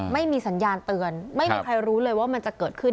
ไม่มีสัญญาณเตือนไม่มีใครรู้เลยว่ามันจะเกิดขึ้น